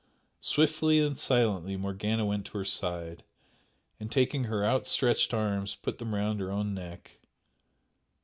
Swiftly and silently Morgana went to her side, and taking her outstretched arms put them round her own neck.